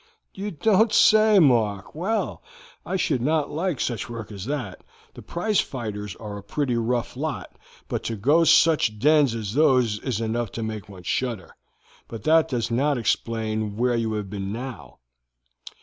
"You don't say so, Mark! Well, I should not like such work as that. The prize fighters are a pretty rough lot, but to go to such dens as those is enough to make one shudder. But that does not explain where you have been now."